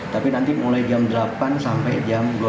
tapi nanti mulai jam delapan sampai jam dua belas